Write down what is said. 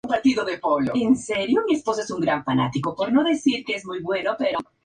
Nos encontramos en sus obras ante un trabajo de abstracción artística.